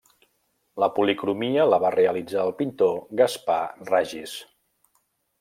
La policromia la va realitzar el pintor Gaspar Ragis.